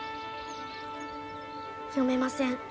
読めません。